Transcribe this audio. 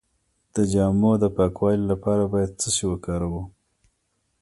د جامو د پاکوالي لپاره باید څه شی وکاروم؟